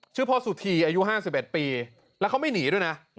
พ่อสุธีอายุ๕๑ปีแล้วเขาไม่หนีด้วยนะ